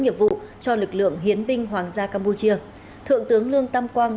nghiệp vụ cho lực lượng hiến binh hoàng gia campuchia thượng tướng lương tam quang